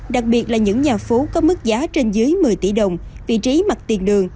đặc biệt là những nhà phố có mức giá trên dưới một mươi tỷ đồng vị trí mặt tiền đường